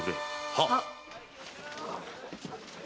はっ！